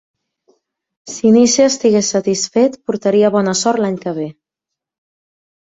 Si Nisse estigués satisfet, portaria bona sort l'any que ve.